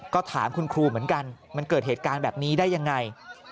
ก็ถามคุณครูเหมือนกันมันเกิดเหตุการณ์แบบนี้ได้ยังไง